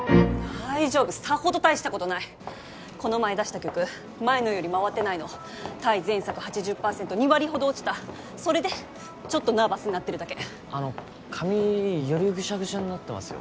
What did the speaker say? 大丈夫さほど大したことないこの前出した曲前のより回ってないの対前作８０パーセント２割ほど落ちたそれでちょっとナーバスになってるだけあの髪よりぐしゃぐしゃになってますよ